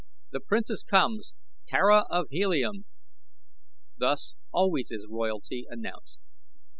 The Princess comes! Tara of Helium!" Thus always is royalty announced.